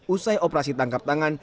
usai operasi tangkap tangan